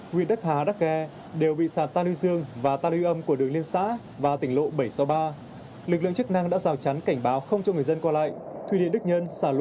huyện đắc hà đắc khe đều bị sạt tan lưu dương và tan lưu âm của đường liên xã và tỉnh lộ bảy trăm sáu mươi ba